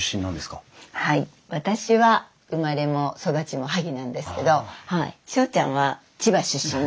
はい私は生まれも育ちも萩なんですけど省ちゃんは千葉出身です。